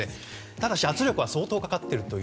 ただし、圧力は相当かかっていると。